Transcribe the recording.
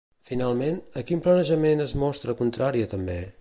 Finalment, a quin plantejament es mostra contrària també?